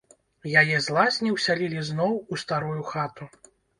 Яе з лазні ўсялілі зноў у старую хату.